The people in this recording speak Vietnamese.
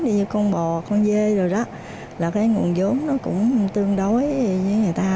như như con bò con dê rồi đó là cái nguồn vốn nó cũng tương đối với người ta